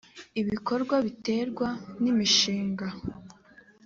ibikorwa biterwa n’ imishinga